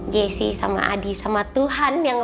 jesse sama adi sama tuhan yang tau